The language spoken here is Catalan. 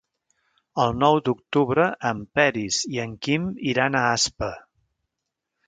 El nou d'octubre en Peris i en Quim iran a Aspa.